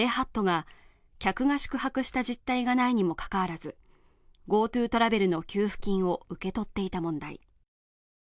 ＪＨＡＴが客が宿泊した実態がないにもかかわらずＧｏＴｏトラベルの給付金を受け取っていた問題